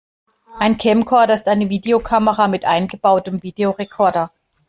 Ein Camcorder ist eine Videokamera mit eingebautem Videorekorder.